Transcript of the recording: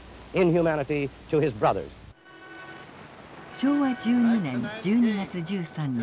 昭和１２年１２月１３日。